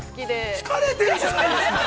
◆疲れているじゃないですか。